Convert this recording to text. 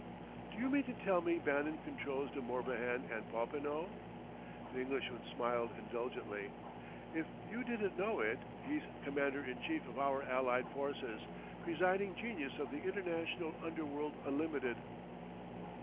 "Do you mean to tell me Bannon controls De Morbihan and Popinot?" The Englishman smiled indulgently. "If you didn't know it, he's commander in chief of our allied forces, presiding genius of the International Underworld Unlimited."